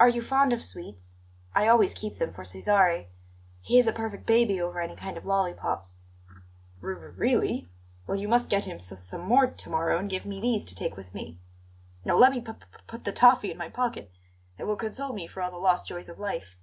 "Are you fond of sweets? I always keep them for Cesare; he is a perfect baby over any kind of lollipops." "R r really? Well, you must get him s some more to morrow and give me these to take with me. No, let me p p put the toffee in my pocket; it will console me for all the lost joys of life.